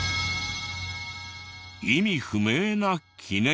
意味不明な記念碑が。